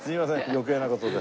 余計な事で。